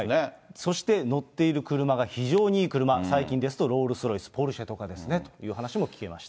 そして乗っている車が非常にいい車、最近ですとロールスロイス、ポルシェとかですねという話も聞けました。